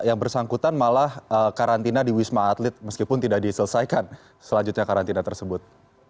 yang bersangkutan malah karantina di wisma atlet meskipun tidak diselesaikan selanjutnya karantina tersebut